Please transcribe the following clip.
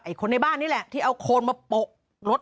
คนในบ้านนี่แหละที่เอาโคนมาโปะรถ